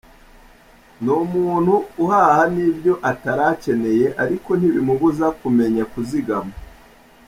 Ni umuntu uhaha n’ibyo atari acyeneye ariko ntibimubuza kumenya kuzigama.